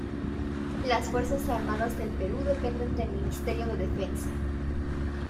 Las fuerzas armadas del Perú dependen del Ministerio de Defensa.